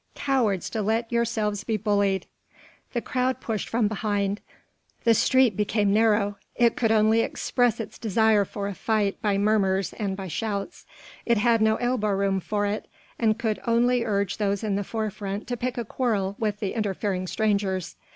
Cowards to let yourselves be bullied!" The crowd pushed from behind. The street being narrow, it could only express its desire for a fight by murmurs and by shouts, it had no elbow room for it, and could only urge those in the forefront to pick a quarrel with the interfering strangers.